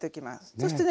そしてね